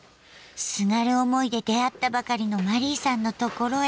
すがる思いで出会ったばかりのマリーさんのところへ。